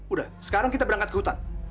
udah sekarang kita berangkat ke hutan